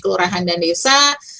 kelurahan dan desa lima ribu seratus